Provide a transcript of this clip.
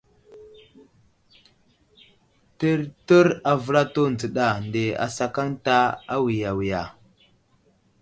Təryər avəlato dzəɗa nde asakaŋ ta awiya wiga.